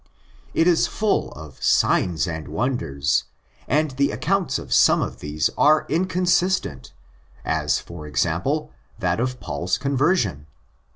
It is full of '' signs and wonders," and the accounts of some of these are inconsistent, as, for example, that of Paul's conversion.